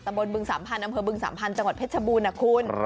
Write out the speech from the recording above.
บนบึงสามพันธ์อำเภอบึงสามพันธ์จังหวัดเพชรบูรณนะคุณ